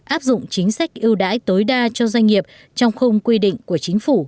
áp dụng chính sách ưu đãi tối đa cho doanh nghiệp trong khung quy định của chính phủ